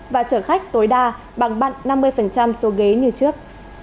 và chở khách tối đa bằng năm mươi số ghế như trước